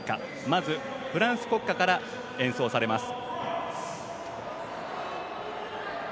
まずフランス国歌から演奏されます。